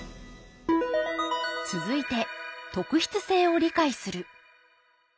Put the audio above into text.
続いて「特筆性を理解する」。